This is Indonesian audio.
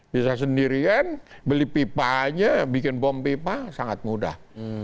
bisa sendirian beli pipanya bikin bom pipa sangat mudah